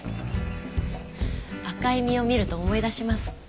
赤い実を見ると思い出します。